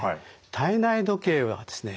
体内時計はですね